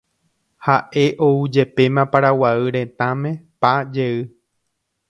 Haʼe oujepéma Paraguay Retãme pa jey.